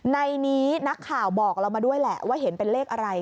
ในนี้นักข่าวบอกเรามาด้วยแหละว่าเห็นเป็นเลขอะไร